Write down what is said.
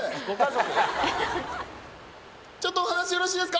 ちょっとお話よろしいですか？